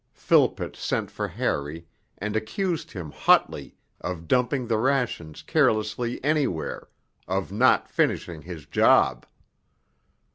Philpott sent for Harry and accused him hotly of dumping the rations carelessly anywhere, of not finishing his job.